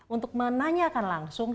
untuk menanyakan langsung